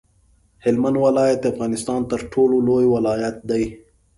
هلمند ولایت د افغانستان تر ټولو لوی ولایت دی.